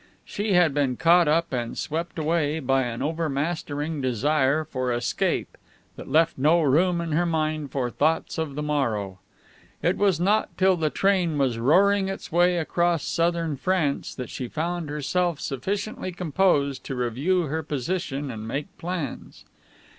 She had been caught up and swept away by an over mastering desire for escape that left no room in her mind for thoughts of the morrow. It was not till the train was roaring its way across southern France that she found herself sufficiently composed to review her position and make plans.